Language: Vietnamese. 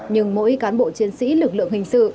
nhưng mỗi cán bộ chiến sĩ lực lượng hình sự